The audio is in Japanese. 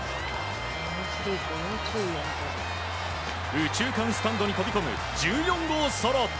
右中間スタンドに飛び込む１４号ソロ。